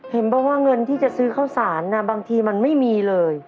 บอกว่าเงินที่จะซื้อข้าวสารบางทีมันไม่มีเลย